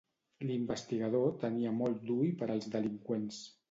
L'investigador tenia molt d'ull per als delinqüents.